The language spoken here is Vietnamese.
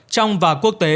trong và quốc tế